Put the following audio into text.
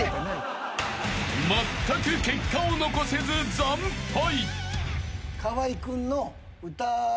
［まったく結果を残せず惨敗］